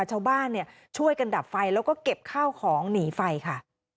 ชาวบ้านช่วยกันดับไฟแล้วก็เก็บข้าวของหนีไฟค่ะ